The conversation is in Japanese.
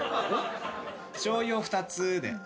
しょうゆを２つで。